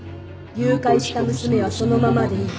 誘拐した娘はそのままでいい。